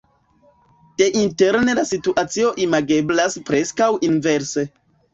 Deinterne la situacio imageblas preskaŭ inverse.